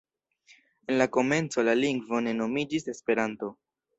En la komenco la lingvo ne nomiĝis Esperanto.